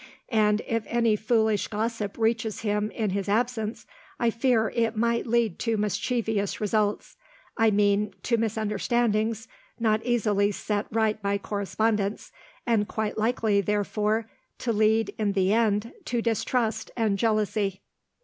And, if any foolish gossip reaches him in his absence, I fear it might lead to mischievous results I mean, to misunderstandings not easily set right by correspondence, and quite likely therefore to lead, in the end, to distrust and jealousy."